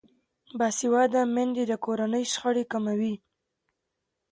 باسواده میندې د کورنۍ شخړې کموي.